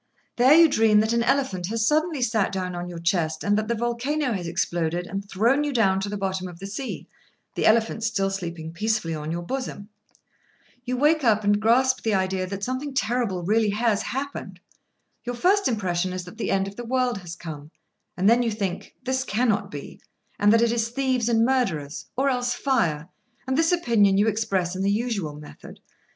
There you dream that an elephant has suddenly sat down on your chest, and that the volcano has exploded and thrown you down to the bottom of the sea—the elephant still sleeping peacefully on your bosom. You wake up and grasp the idea that something terrible really has happened. Your first impression is that the end of the world has come; and then you think that this cannot be, and that it is thieves and murderers, or else fire, and this opinion you express in the usual method.